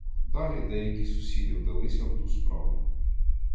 Далі деякі сусіди вдалися в ту справу.